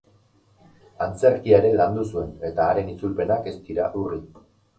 Antzerkia ere landu zuen, eta haren itzulpenak ez dira urri.